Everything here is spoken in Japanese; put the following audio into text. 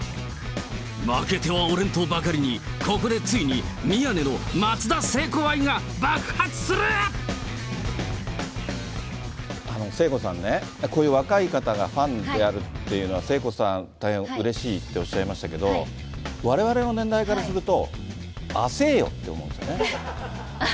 負けてはおれんとばかりに、ここでついに宮根の松田聖子愛が聖子さんね、こういう若い方がファンであるっていうのは、聖子さん、大変うれしいっておっしゃいましたけど、われわれの年代からすると、あせぇよって思うんですよね。